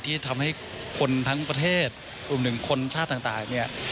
ที่ทำให้คนทั้งประเทศรวมถึงคนชาติต่างเนี่ย